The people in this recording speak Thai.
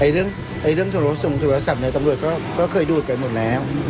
เรื่องโทรส่งโทรศัพท์ในตำรวจก็เคยดูดไปหมดแล้ว